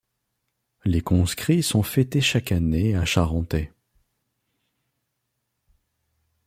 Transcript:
Les conscrits sont fêtés chaque année à Charentay.